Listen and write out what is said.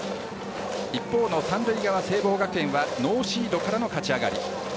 一方の三塁側、聖望学園はノーシードからの勝ち上がり。